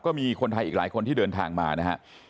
ก็มีคนไทยอีกหลายคนที่เดินทางมานะฮะ